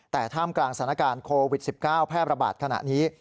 แต่ท่ามกลางสถานการณ์โควิด๑๙แพร่ระบาดขณะนี้